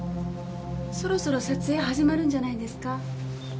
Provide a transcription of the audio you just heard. そろそろ撮影始まるんじゃないですか？